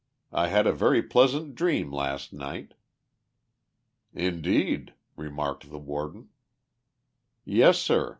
44 1 had a very pleasant dream last night." 44 Indeed." remarked the Warden. *• Yes, sir.